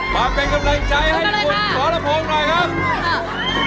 มาเป็นกำลังใจให้หมดฟัวระโภคหน่อยครับ